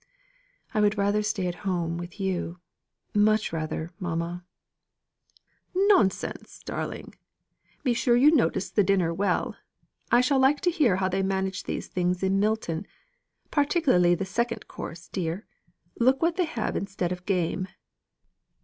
"I would rather stay at home with you, much rather, mamma." "Nonsense, darling! Be sure you notice the dinner well. I shall like to hear how they manage these things in Milton. Particularly the second course, dear. Look what they have instead of game."